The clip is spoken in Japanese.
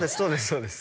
そうです